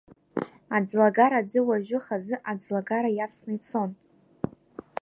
Аӡлагара аӡы уажәы хазы аӡлагара иавсны ицон.